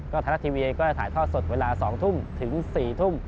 ไทยรัฐทีวีเองก็จะถ่ายทอดสดเวลา๒ทุ่มถึง๔ทุ่ม